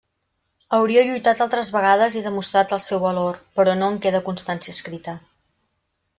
Hauria lluitat altres vegades i demostrat el seu valor però no en queda constància escrita.